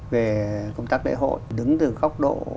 về công tác lễ hội đứng từ góc độ